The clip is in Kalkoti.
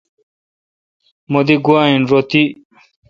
مہ دی گوا این تہ رو تی۔